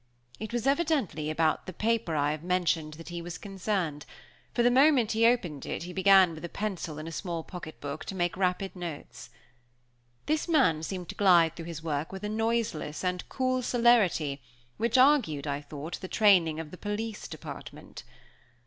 It was evidently about the paper I have mentioned that he was concerned; for the moment he opened it he began with a pencil, in a small pocket book, to make rapid notes of its contents. This man seemed to glide through his work with a noiseless and cool celerity which argued, I thought, the training of the police department.